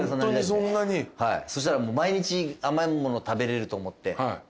そうしたら毎日甘いもの食べれると思って。